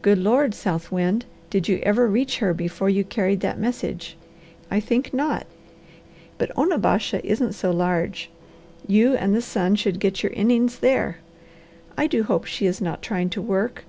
Good Lord, South Wind, did you ever reach her before you carried that message? I think not! But Onabasha isn't so large. You and the sun should get your innings there. I do hope she is not trying to work!